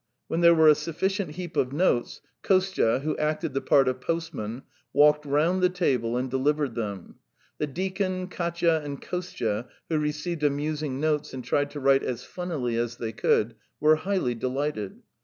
When there were a sufficient heap of notes, Kostya, who acted the part of postman, walked round the table and delivered them. The deacon, Katya, and Kostya, who received amusing notes and tried to write as funnily as they could, were highly delighted.